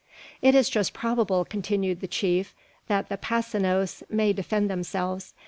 "It is just probable," continued the chief, "that the Passenos may defend themselves.